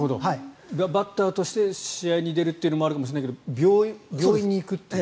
バッターとして試合に出るのもあるかもしれないけど病院に行く。